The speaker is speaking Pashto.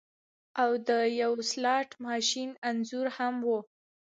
او د یو سلاټ ماشین انځور هم و